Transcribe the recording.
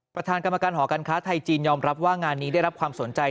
ประธานกรรมการหอการค้าไทยจีนยอมรับว่างานนี้ได้รับความสนใจ